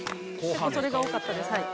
それが多かったです。